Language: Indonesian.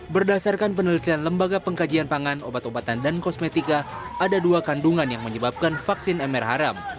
berdasarkan penelitian lembaga pengkajian pangan obat obatan dan kosmetika ada dua kandungan yang menyebabkan vaksin mr haram